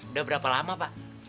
udah berapa lama pak